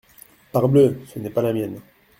Parbleu ! ce n’est pas la mienne !…